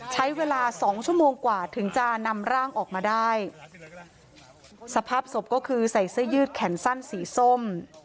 ใช้เวลาสองชั่วโมงกว่าถึงจะนำร่างออกมาได้สภาพศพก็คือใส่เสื้อยืดแขนสั้นสีส้ม